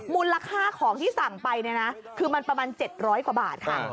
มูลค่าของที่สั่งไปเนี่ยนะคือมันประมาณ๗๐๐กว่าบาทค่ะ